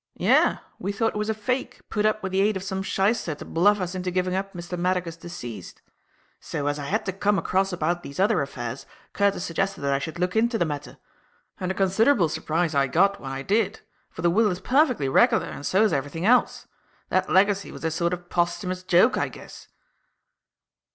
"Yes; we thought it was a fake, put up with the aid of some shyster to bluff us into giving up Mr. Maddock as deceased. So, as I had to come across about these other affairs, Curtis suggested that I should look into the matter. And a considerable surprise I got when I did; for the will is perfectly regular and so is everything else. That legacy was a sort of posthumous joke, I guess."